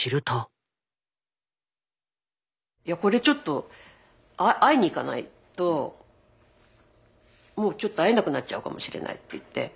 いやこれちょっと会いに行かないともうちょっと会えなくなっちゃうかもしれないっていって。